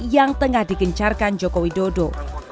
yang tengah digencarkan joko widodo